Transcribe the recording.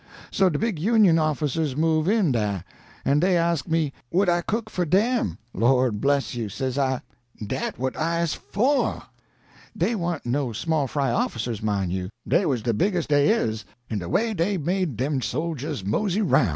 So de big Union officers move in dah, an' dey ask me would I cook for DeM. 'Lord bless you,' says I, 'dat what I's FOR.' "Dey wa'n't no small fry officers, mine you, dey was de biggest dey IS; an' de way dey made dem sojers mosey roun'!